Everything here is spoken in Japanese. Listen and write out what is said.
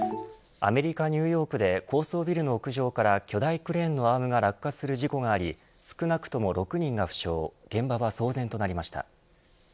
アメリカ、ニューヨークで高層ビルの屋上から巨大クレーンのアームが落下する事故があり少なくとも６人が負傷現場は騒然となりました。